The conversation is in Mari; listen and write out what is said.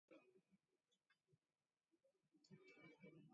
Вожлайолин лудмо пӧртым, кружокым почешат, олаш каяш тарвана.